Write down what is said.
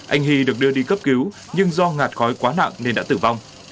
anh hy được đưa đi cấp cứu nhưng do ngạt khói quá nặng nên đã tử vong